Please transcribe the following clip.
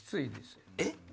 えっ？